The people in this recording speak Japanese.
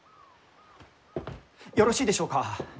よろしいでしょうか？